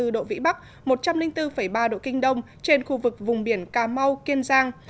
hai mươi độ vĩ bắc một trăm linh bốn ba độ kinh đông trên khu vực vùng biển cà mau kiên giang